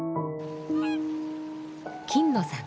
金野さん